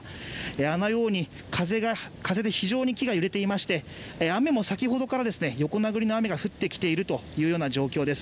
あのように風が風で非常に気が揺れていまして雨も先ほどからですね、横殴りの雨が降ってきているというような状況です。